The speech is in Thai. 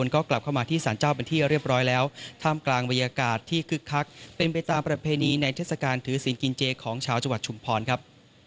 นี่เป็นบรรยากาศความคึกคักนะครับ